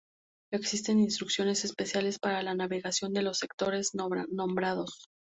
Existen instrucciones especiales para la navegación de los sectores nombrados.